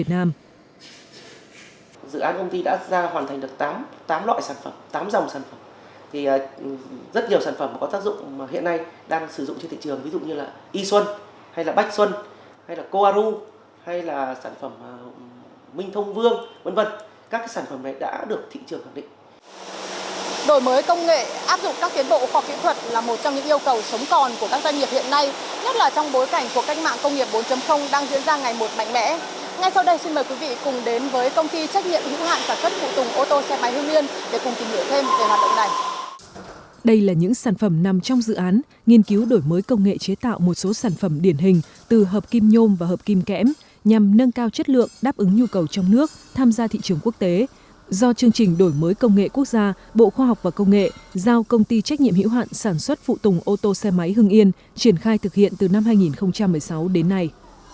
công ty đã làm chủ đổi mới công nghệ chế tạo một số sản phẩm điển hình từ hợp kim nhôm và hợp kim kém nhằm nâng cao chất lượng đáp ứng nhu cầu trong nước tham gia thị trường quốc tế do chương trình đổi mới công nghệ quốc gia bộ khoa học và công nghệ giao công ty trách nhiệm hữu hạn sản xuất phụ tùng ô tô xe máy hưng yên triển khai thực hiện từ năm hai nghìn một mươi sáu đến nay